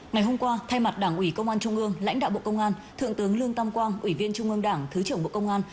ngày hôm qua thay mặt đảng ủy công an trung ương lãnh đạo bộ công an thượng tướng lương tam quang ủy viên trung ương đảng thứ trưởng bộ công an